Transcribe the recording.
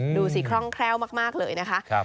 ดูสิคร่องแคล้วมากเลยนะคะ